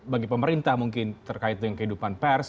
bagi pemerintah mungkin terkait dengan kehidupan pers